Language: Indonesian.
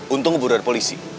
untung ngeburuan polisi